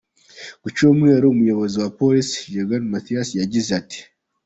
Ku Cyumweru, umuyobozi wa polisi, Juergen Mathies, yagize ati:.